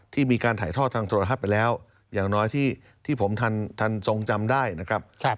มีการถ่ายทอดทางโทรทัศน์ไปแล้วอย่างน้อยที่ผมท่านทรงจำได้นะครับ